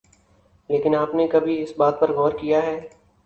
لیکن آپ نے کبھی اس بات پر غور کیا ہے